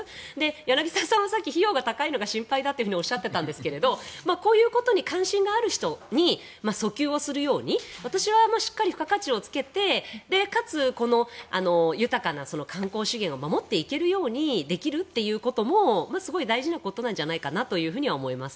柳澤さんはさっき費用が高いのが心配だとおっしゃっていたんですがこういうことに関心がある人に訴求をするように私はしっかり付加価値をつけてかつ豊かな観光資源を守っていけるようにできるということもすごい大事なことなんじゃないかなと思います。